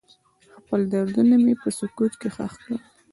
خپل دردونه مې په سکوت کې ښخ کړل.